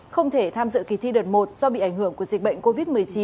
không thể tham dự kỳ thi đợt một do bị ảnh hưởng của dịch bệnh covid một mươi chín